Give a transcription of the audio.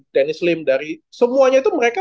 denny slim dari semuanya itu mereka